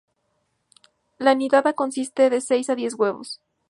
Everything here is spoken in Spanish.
La nidada consiste de seis a diez huevos.